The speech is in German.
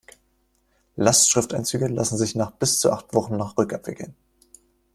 Lastschrifteinzüge lassen sich nach bis zu acht Wochen noch rückabwickeln.